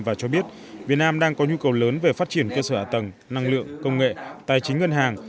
và cho biết việt nam đang có nhu cầu lớn về phát triển cơ sở ả tầng năng lượng công nghệ tài chính ngân hàng